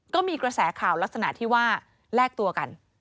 ก็มีกระแสข่าวลักษณะที่ว่าแลกตัวกัน